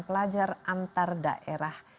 pelajar antar daerah